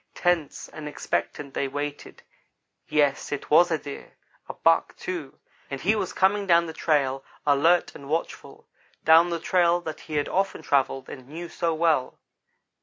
Tense and expectant they waited yes, it was a deer a buck, too, and he was coming down the trail, alert and watchful down the trail that he had often travelled and knew so well.